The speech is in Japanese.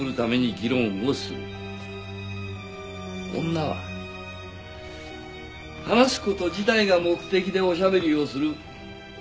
女は話す事自体が目的でおしゃべりをする。